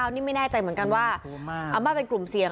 นี่ไม่แน่ใจเหมือนกันว่าอาม่าเป็นกลุ่มเสี่ยง